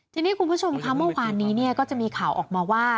ทีนี้คุณผู้ชมค่ะเมื่อวานนี้ก็จะมีข่าวออกมาว่า